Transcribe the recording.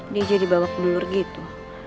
dia jadi babak belur gitu